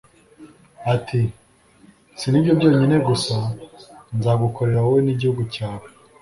ati si n'ibyo byonyine gusa nzagukorera wowe n'igihugu cyawe